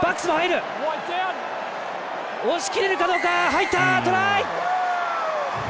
入った！トライ！